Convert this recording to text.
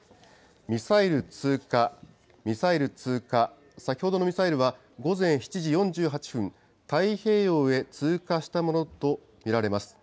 ミサイル通過、ミサイル通過、先ほどのミサイルは午前７時４８分、太平洋へ通過したものと見られます。